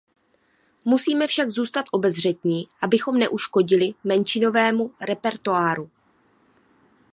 Musíme však zůstat obezřetní, abychom neuškodili menšinovému repertoáru.